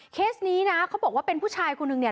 เคสนี้นะเขาบอกว่าเป็นผู้ชายคนนึงเนี่ย